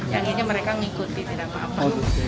yang ini mereka mengikuti tidak apa apa